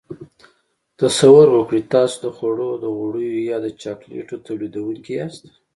تصور وکړئ تاسو د خوړو د غوړیو یا د چاکلیټو تولیدوونکي یاست.